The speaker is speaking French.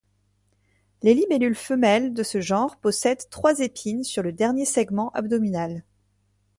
Les libellules femelles de ce genre possèdent trois épines sur le dernier segment abdominal.